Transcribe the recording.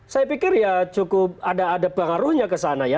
saya pikir ya cukup ada pengaruhnya kesana ya